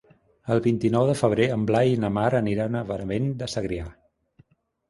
El vint-i-nou de febrer en Blai i na Mar aniran a Benavent de Segrià.